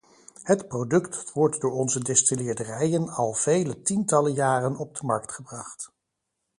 Het product wordt door onze distilleerderijen al vele tientallen jaren op de markt gebracht.